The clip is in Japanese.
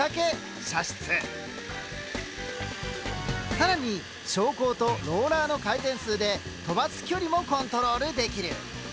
更に昇降とローラーの回転数で飛ばす距離もコントロールできる。